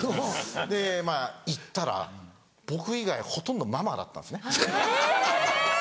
でまぁ行ったら僕以外ほとんどママだったんですね。